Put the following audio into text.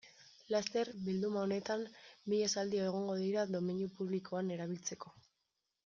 Laster, bilduma honetan, mila esaldi egongo dira domeinu publikoan erabiltzeko.